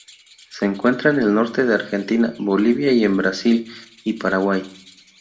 Se encuentra en el norte de Argentina, Bolivia, y en Brasil y Paraguay.